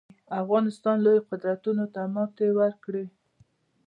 افغانستان لویو قدرتونو ته ماتې ورکړي